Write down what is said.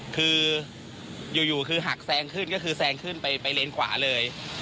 คืออยู่คือหักแซงขึ้นก็คือแซงขึ้นไปเลนขวาเลย